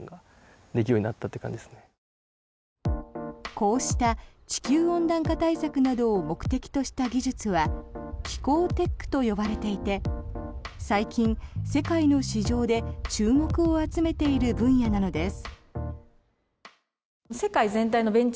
こうした地球温暖化対策を目的とした技術は気候テックと呼ばれていて最近、世界の市場で注目を集めている分野なのです。